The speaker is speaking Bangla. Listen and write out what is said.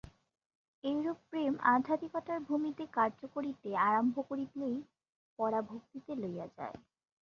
এইরূপ প্রেম আধ্যাত্মিকতার ভূমিতে কার্য করিতে আরম্ভ করিলেই পরাভক্তিতে লইয়া যায়।